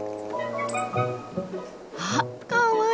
あかわいい！